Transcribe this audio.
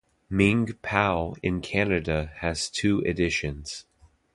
Ming Pao in Canada has two editions.